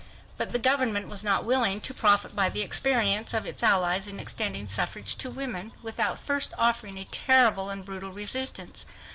But the government was not willing to profit by the experience of its Allies in extending suffrage to women, without first offering a terrible and brutal resistance.